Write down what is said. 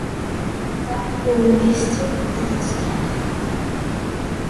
Как неуместен этот страх.